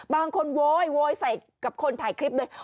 บางคนโวยใส่กับคนถ่ายคลิปเลย